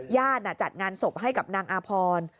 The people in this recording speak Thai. จัดงานศพให้กับนางอาพร